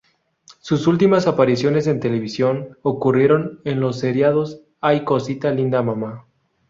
Sus últimas apariciones en televisión ocurrieron en los seriados "¡Ay cosita linda mamá!